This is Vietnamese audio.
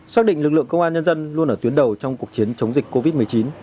xác định lực lượng công an nhân dân luôn ở tuyến đầu trong cuộc chiến chống dịch covid một mươi chín